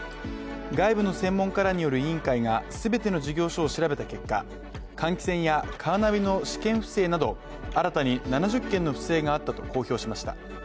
外部の専門家らによる委員会が全ての事業所を調べた結果換気扇やカーナビの試験不正など新たに７０件の不正があったと公表しました。